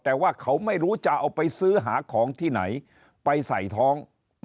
แต่ว่าเขาไม่รู้จะเอาไปซื้อหาของที่ไหนไปใส่ท้อง